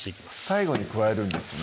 最後に加えるんですね